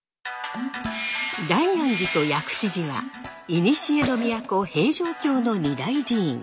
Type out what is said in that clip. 大安寺と薬師寺はいにしえの都平城京の二大寺院。